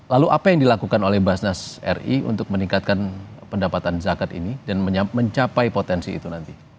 lalu apa yang dilakukan oleh basnas ri untuk meningkatkan pendapatan zakat ini dan mencapai potensi itu nanti